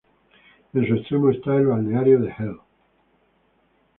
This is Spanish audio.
En su extremo está el balneario de Hel.